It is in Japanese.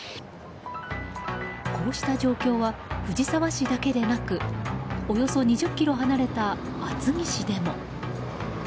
こうした状況は藤沢市だけでなくおよそ２０ｋｍ離れた厚木市でも。